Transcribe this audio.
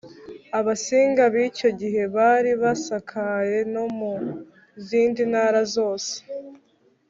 abasinga b'icyo gihe bari basakaye no mu zindi ntara zose